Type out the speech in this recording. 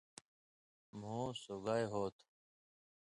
مُھو سُگائی ہوتُھو۔